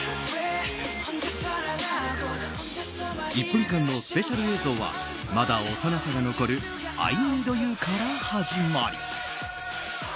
１分間のスペシャル映像はまだ幼さが残る「ＩＮＥＥＤＵ」から始まり。